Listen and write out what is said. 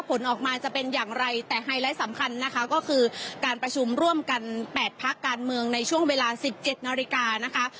ผลออกมาจะเป็นอย่างไรแต่ไฮไลท์สำคัญนะคะก็คือการประชุมร่วมกัน๘พักการเมืองในช่วงเวลา๑๗นาฬิกานะคะ